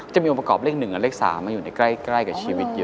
จะมีโอกาส๑และเลข๓อยู่ใกล้กับชีวิตเยอะ